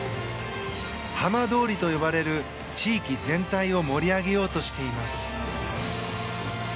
浜通りと呼ばれる地域全体を盛り上げようとしています。